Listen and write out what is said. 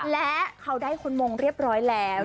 และเขาได้คนมงเรียบร้อยแล้ว